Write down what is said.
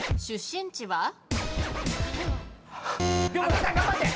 出身地は？